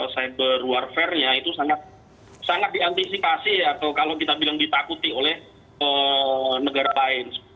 cyber warfare nya itu sangat diantisipasi atau kalau kita bilang ditakuti oleh negara lain